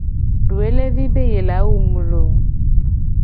Doelevi be ye la wu mu lo !